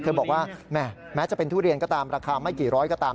บอกว่าแม้จะเป็นทุเรียนก็ตามราคาไม่กี่ร้อยก็ตาม